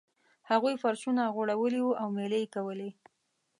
هغوی فرشونه غوړولي وو او میلې یې کولې.